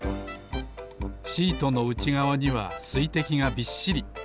シートのうちがわにはすいてきがびっしり。